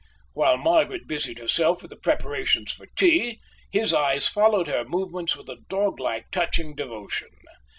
While Margaret busied herself with the preparations for tea, his eyes followed her movements with a doglike, touching devotion.